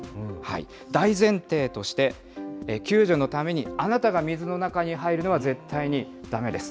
大前提として、救助のためにあなたが水の中に入るのは、絶対にだめです。